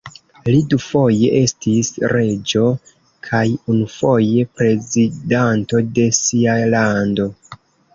Li dufoje estis reĝo kaj unufoje prezidanto de sia lando.